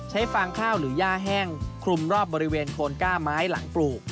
ฟางข้าวหรือย่าแห้งคลุมรอบบริเวณโคนก้าไม้หลังปลูก